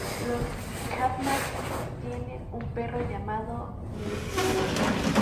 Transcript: Los Goodman tienen un perro llamado Mr.